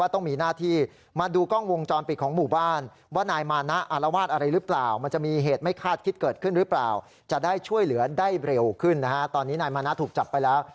ตอนนี้นายมานะถูกจับไปแล้ว